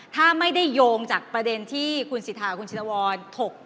ถ้าไม่ได้โยงจากประเด็นที่คุณสิทธาคุณชินวรถก